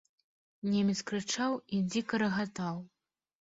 Немец крычаў і дзіка рагатаў.